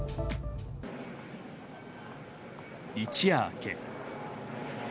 一夜明け。